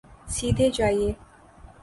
سیدھے جائیے